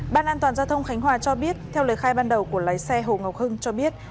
ban an toàn giao thông khánh hòa cho biết theo lời khai ban đầu của lái xe hồ ngọc hưng cho biết